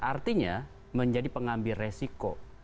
artinya menjadi pengambil resiko